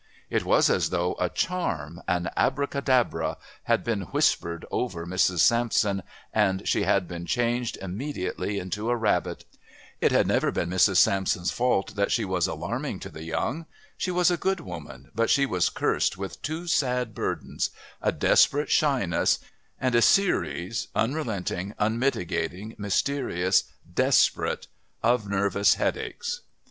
It was as though a charm, an Abracadabra, had been whispered over Mrs. Sampson and she had been changed immediately into a rabbit. It had never been Mrs. Sampson's fault that she was alarming to the young. She was a good woman, but she was cursed with two sad burdens a desperate shyness and a series, unrelenting, unmitigating, mysterious, desperate, of nervous headaches.